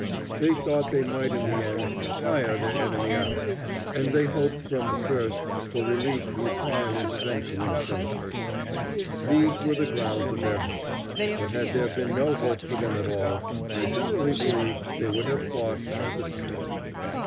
They thought they might in the end tire their enemy out, and they hoped from the first for relief through foreign intervention in some shape. These were the grounds of their hopes; but had there been no hope for them at all, I verily believe they would have fought all the same.